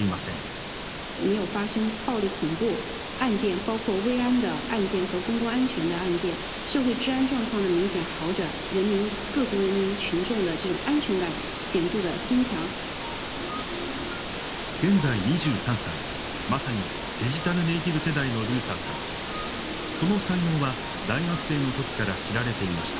その才能は大学生の時から知られていました。